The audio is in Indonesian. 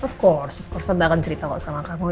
tentu saja tante akan cerita sama kamu